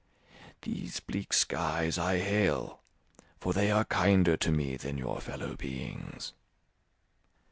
These bleak skies I hail, for they are kinder to me than your fellow beings.